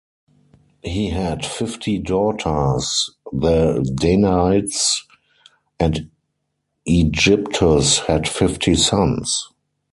He had fifty daughters, the Danaides, and Aegyptus had fifty sons.